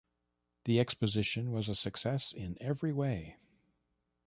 The exposition was a success in every way.